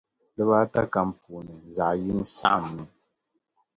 dib' ata kam puuni zaɣ' yini saɣimmi.